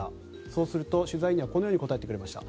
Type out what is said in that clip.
そうすると取材にはこのように答えてくれました。